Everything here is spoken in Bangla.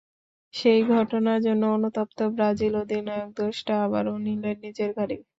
সেই ঘটনার জন্য অনুতপ্ত ব্রাজিল অধিনায়ক দোষটা আবারও নিলেন নিজের ঘাড়েই।